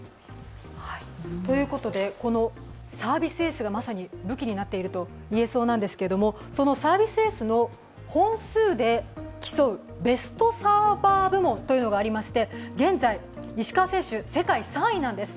ということで、このサービスエースがまさに武器になっていると言えそうなんですけれどもそのサービスエースの本数で競うベストサーバー部門というのがありまして、現在、石川選手は世界３位なんです。